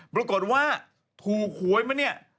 ปรากฏว่าถูโขยไหมเนี่ย